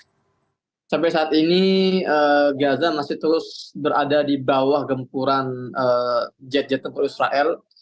jadi sampai saat ini gaza masih terus berada di bawah gempuran jet jet negeri israel